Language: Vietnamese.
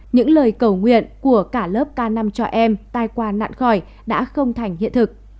những lời cầu nguyện của cả lớp k năm cho em tai qua nạn khỏi đã không thành hiện thực